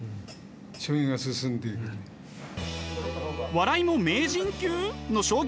笑いも名人級！？